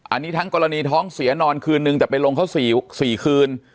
อันนี้ทั้งกรณีท้องเสียนอนคืนนึงแต่ไปลงเขา๔คืน